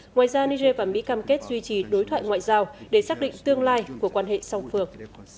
ngoài ra niger và mỹ cam kết duy trì đối thoại ngoại giao để xác định tương lai của quan hệ song phương